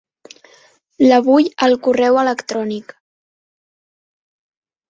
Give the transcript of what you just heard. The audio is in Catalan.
La vull al correu electrònic.